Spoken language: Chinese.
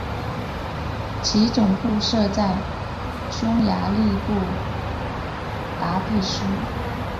其总部设在匈牙利布达佩斯。